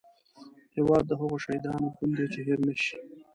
هیواد د هغو شهیدانو خون دی چې هېر نه شي